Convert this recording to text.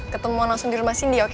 ketemu langsung di rumah sindi oke